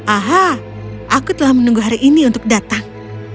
aha aku telah menunggu hari ini untuk datang